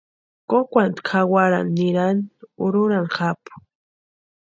Kokwantkʼu jawarani nirani urhurani japu.